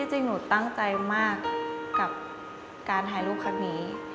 จริงหนูตั้งใจมากกับการถ่ายรูปครั้งนี้